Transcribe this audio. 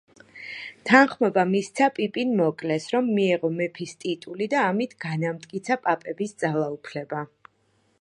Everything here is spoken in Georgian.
თანხმობა მისცა პიპინ მოკლეს, რომ მიეღო მეფის ტიტული და ამით განამტკიცა პაპების ძალაუფლება.